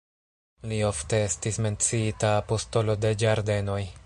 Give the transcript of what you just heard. Li ofte estis menciita "apostolo de ĝardenoj.